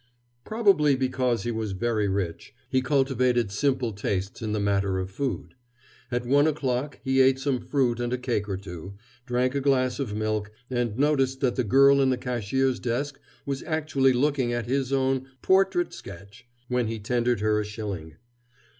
Probably because he was very rich, he cultivated simple tastes in the matter of food. At one o'clock he ate some fruit and a cake or two, drank a glass of milk, and noticed that the girl in the cashier's desk was actually looking at his own "portrait sketch" when he tendered her a shilling.